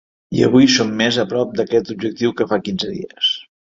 I avui som més a prop d’aquest objectiu que fa quinze dies.